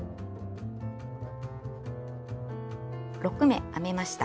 ６目編めました。